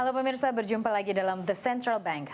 halo pemirsa berjumpa lagi dalam the central bank